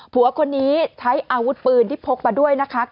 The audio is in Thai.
ผัวคนนี้ใช้อาวุธปืนที่พกมาด้วยนะคะ